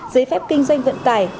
giấy phép kinh doanh vận tải